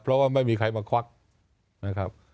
เพราะว่าไม่มีใครมาควักนะครับ